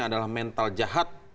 adalah mental jahat